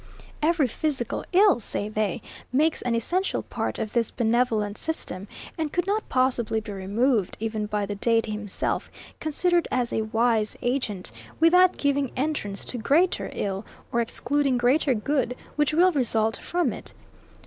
Every physical ill, say they, makes an essential part of this benevolent system, and could not possibly be removed, even by the Deity himself, considered as a wise agent, without giving entrance to greater ill, or excluding greater good, which will result from it.